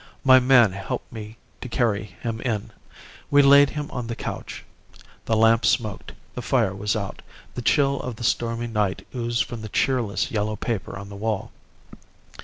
My man helped me to carry him in. We laid him on the couch. The lamp smoked, the fire was out, the chill of the stormy night oozed from the cheerless yellow paper on the wall.